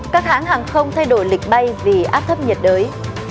các hãng hàng không thay đổi lịch bay vì áp thấp nhiệt đới